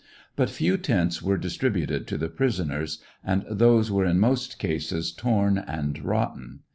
But few tents were distributed to the prisoners, and those were in most cases torn and rotten.